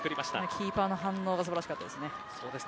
キーパーの反応が素晴らしかったです。